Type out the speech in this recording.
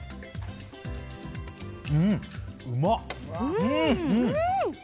うん、うまい！